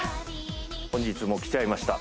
本日も来ちゃいました